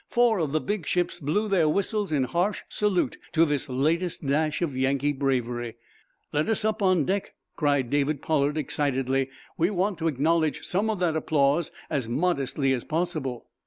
Four of the big ships blew their whistles in harsh salute to this latest dash of Yankee bravery. "Let us up on deck," cried David Pollard, excitedly. "We want to acknowledge some of that applause as modestly as possible."